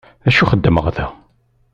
D acu xeddmeɣ da?